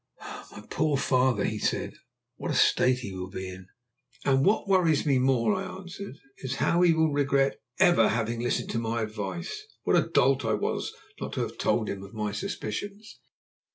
"My poor father!" he said. "What a state he will be in!" "And what worries me more," I answered, "is how he will regret ever having listened to my advice. What a dolt I was not to have told him of my suspicions."